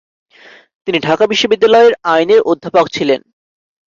তিনি ঢাকা বিশ্ববিদ্যালয়ের আইনের অধ্যাপক ছিলেন।